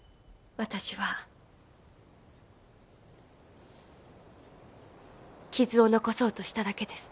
私は傷を残そうとしただけです。